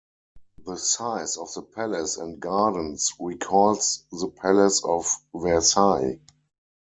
The size of the palace and gardens recalls the Palace of Versailles.